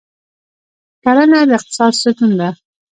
کرهڼه د اقتصاد ستون دی